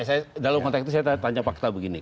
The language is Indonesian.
saya dalam konteks itu saya tanya fakta begini